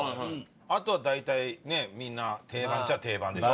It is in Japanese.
あとは大体ねみんな定番っちゃ定番でしょ？